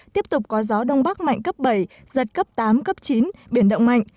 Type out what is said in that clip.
tiếp tục có gió đông bắc mạnh cấp bảy giật cấp tám cấp chín biển động mạnh